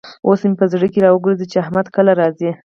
اوس مې په زړه کې را وګرزېد چې احمد کله راځي.